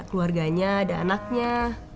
ada keluarganya ada anaknya